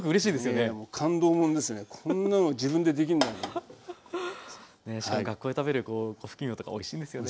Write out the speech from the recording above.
ねえしかも学校で食べるこふきいもとかおいしいんですよね。